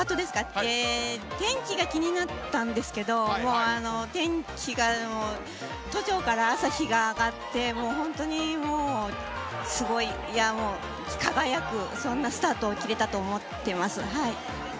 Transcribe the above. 天気が気になったんですけど都庁から朝日が上がってきて輝くスタートを切れたと思っています。